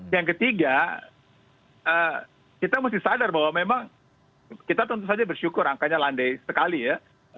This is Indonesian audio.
yang ketiga kita mesti sadar bahwa memang kita tentu saja bersyukur angkanya landai sekali ya